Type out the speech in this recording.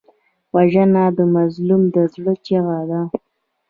وژنه د مظلوم د زړه چیغه ده